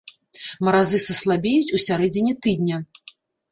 Маразы саслабеюць у сярэдзіне тыдня.